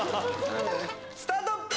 スタート！